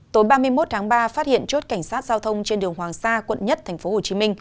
tối ba mươi một tháng ba phát hiện chốt cảnh sát giao thông trên đường hoàng sa quận một tp hcm